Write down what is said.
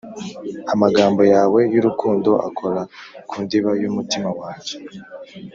amagambo yawe y’urukundo akora kundiba y’umutima wanjye